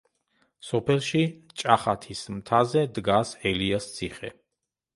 სოფელში, ჭახათის მთაზე დგას ელიას ციხე.